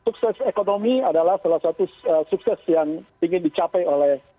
sukses ekonomi adalah salah satu sukses yang ingin dicapai oleh